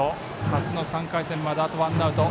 初の３回戦まで、あとワンアウト。